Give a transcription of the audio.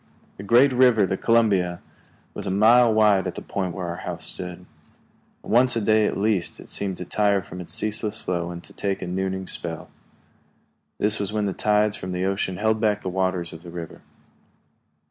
The great river, the Columbia, was a mile wide at the point where our house stood. Once a day at least it seemed to tire from its ceaseless flow and to take a nooning spell. This was when the tides from the ocean held back the waters of the river.